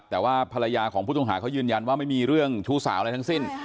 แต่ภรรยาของพูดทงหายืนยันว่าไม่มีเรื่องทิ้วสาวเลยทั้งสิ้น